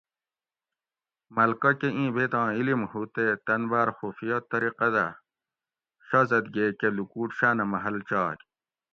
ملکہ کہ ایں بیتاں علم ہو تے تن باۤر خفیہ طریقہ دہ شازادگے کہ لُکوٹ شاۤنہ محل چاگ